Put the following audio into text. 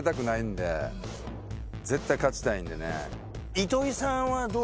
絶対勝ちたいんでね。